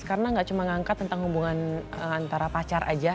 karena gak cuma diangkat tentang hubungan antara pacar aja